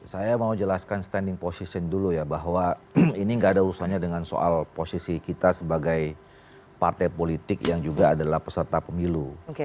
saya mau jelaskan standing position dulu ya bahwa ini nggak ada urusannya dengan soal posisi kita sebagai partai politik yang juga adalah peserta pemilu